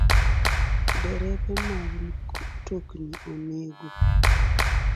Derepe mag mtokni onego